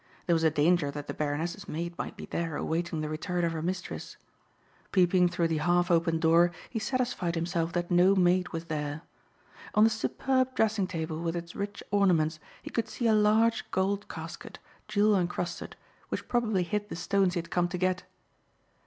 There was a danger that the Baroness's maid might be there awaiting the return of her mistress. Peeping through the half opened door, he satisfied himself that no maid was there. On the superb dressing table with its rich ornaments he could see a large gold casket, jewel encrusted, which probably hid the stones he had come to get.